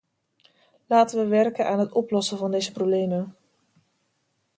Laten we werken aan het oplossen van deze problemen.